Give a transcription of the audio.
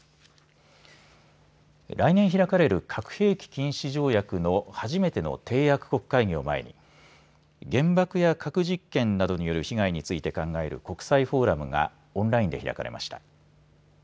来年開かれる核兵器禁止条約の初めての締約国会議を前に原爆や核実験などによる被害について考える国際フォーラムがオンラインで開かれました。